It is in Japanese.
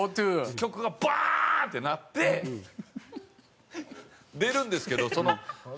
曲がバーッて鳴って出るんですけどその。笑